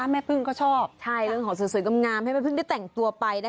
แม่พุ่มก็ชอบค่ะใช่เรื่องของสวยธรรมงามให้แม่พุ่มได้แต่งตัวไป